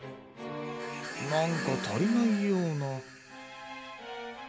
なんかたりないような。